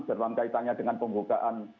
berlangkaitannya dengan pembukaan